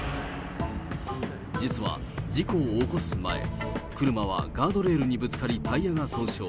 実は、事故を起こす前、車はガードレールにぶつかり、タイヤが損傷。